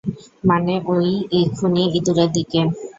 মানে, ওই খুনি ইঁদুরের দিকে?